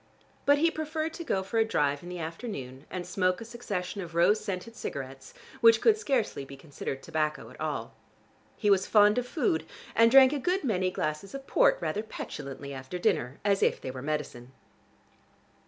But he preferred to go for a drive in the afternoon, and smoke a succession of rose scented cigarettes, which could scarcely be considered tobacco at all. He was fond of food, and drank a good many glasses of port rather petulantly, after dinner, as if they were medicine.